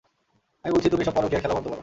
আমি বলছি তুমি এসব পরকিয়ার খেলা বন্ধ করো।